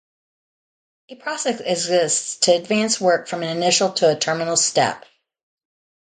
A process exists to advance work from an initial to a terminal step.